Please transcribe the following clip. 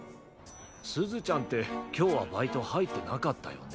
すずちゃんってきょうはバイトはいってなかったよね？